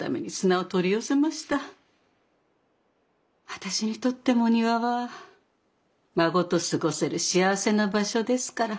私にとっても庭は孫と過ごせる幸せな場所ですから。